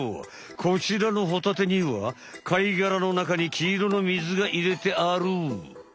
こちらのホタテには貝がらのなかにきいろの水がいれてある。